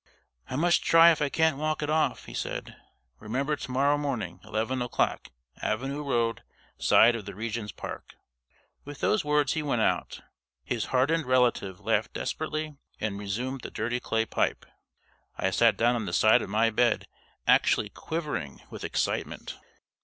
"I must try if I can't walk it off," he said. "Remember to morrow morning eleven o'clock, Avenue Road, side of the Regent's Park." With those words he went out. His hardened relative laughed desperately and resumed the dirty clay pipe. I sat down on the side of my bed, actually quivering with excitement.